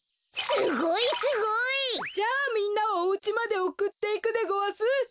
すごいすごい！じゃあみんなをおうちまでおくっていくでごわす。